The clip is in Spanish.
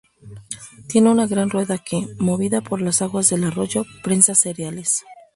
Tiene una gran rueda que, movida por las aguas del arroyo, prensa cereales.